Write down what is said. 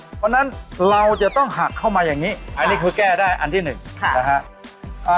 เพราะฉะนั้นเราจะต้องหักเข้ามาอย่างนี้อันนี้คือแก้ได้อันที่หนึ่งนะฮะ